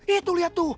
itu lihat tuh